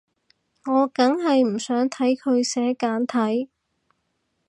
我梗係唔想睇佢寫簡體